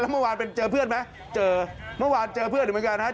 เมื่อวานไปเจอเพื่อนไหมเจอเมื่อวานเจอเพื่อนอีกเหมือนกันฮะ